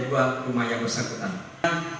pertama di rumah yang bersangkutan